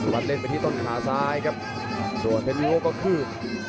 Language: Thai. บัตรเล่นไปที่ตอนขาซ้ายครับส่วนเทนวิโว่ก็คือ